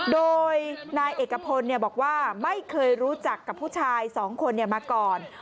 โดยนายเอกพลบอกว่าไม่เคยรู้จักกับผู้ชายสองคนมาก่อน